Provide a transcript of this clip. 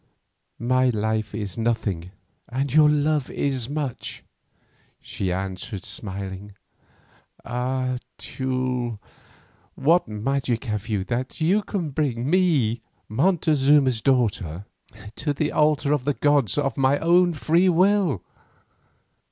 "My life is nothing and your love is much," she answered smiling. "Ah! Teule, what magic have you that you can bring me, Montezuma's daughter, to the altar of the gods and of my own free will?